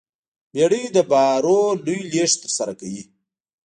بیړۍ د بارونو لوی لېږد ترسره کوي.